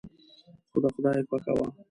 خو د خدای خوښه وه.